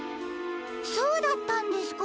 そうだったんですか。